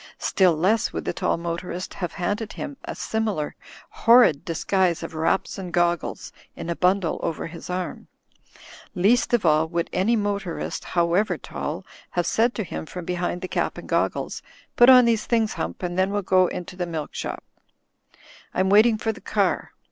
Still less would the tall motorist have handed him a similar horrid disguise of wraps and goggles, in a bimdle over his arm. Least of all would any mo torist, however tall, have said to him from behind the cap and goggles, "Put on these things, Hump, and then we'll go into the milk shop. Fm waiting for the car.